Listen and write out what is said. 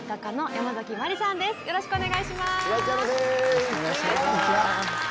よろしくお願いします。